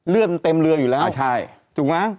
เลือดมันเต็มเรืออยู่แล้วถูกไหม